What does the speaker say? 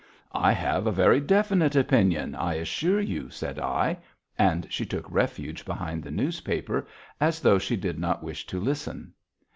"I have a very definite opinion, I assure you," said I, and she took refuge behind the newspaper, as though she did not wish to listen.